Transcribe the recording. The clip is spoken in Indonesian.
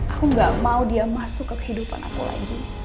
aku gak mau dia masuk ke kehidupan aku lagi